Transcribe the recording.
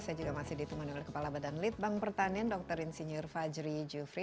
saya juga masih ditemani oleh kepala badan litbang pertanian dr insinyur fajri jufri